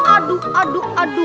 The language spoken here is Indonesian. aduh aduh aduh